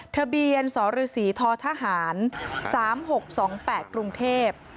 ทะเบียนสรศรีททหาร๓๖๒๘กรุงเทพ